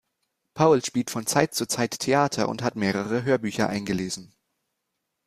Paul spielt von Zeit zu Zeit Theater und hat mehrere Hörbücher eingelesen.